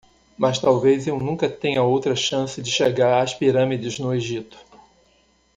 Mas talvez eu nunca tenha outra chance de chegar às pirâmides no Egito.